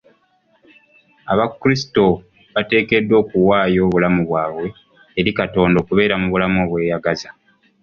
Abakrisito bateekeddwa okuwaayo obulamu bwabwe eri Katonda okubeera mu bulamu obweyagaza.